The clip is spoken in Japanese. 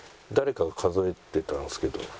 誰かが数えてたんですけど。